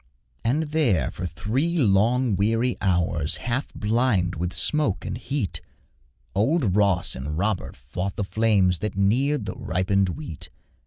And there, for three long weary hours, Half blind with smoke and heat, Old Ross and Robert fought the flames That neared the ripened wheat.